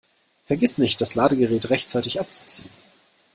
Vergiss nicht, das Ladegerät rechtzeitig abzuziehen!